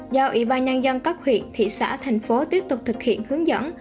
do ủy ban nhân dân các huyện thị xã thành phố tiếp tục thực hiện hướng dẫn